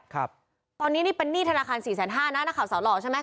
ครับตอนนี้นี่เป็นหนี้ธนาคารสี่แสนห้านะนักข่าวสาวหล่อใช่ไหม